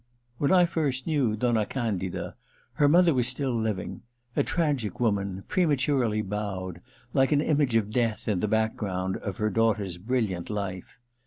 When I first knew Donna Candida, her mother was still living : a tragic woman, pre maturely bowed, like an image of death in the background of the daughter's brilliant life.